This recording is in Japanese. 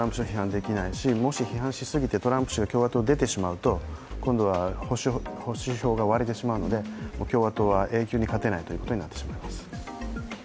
もし批判しすぎてトランプ氏が共和党を出てしまうと今度は保守票が割れてしまうので、共和党は永久に勝てないということになってしまいます。